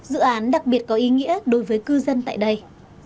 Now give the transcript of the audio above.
dự án đặc biệt có ý nghĩa đối với cư dân tại đây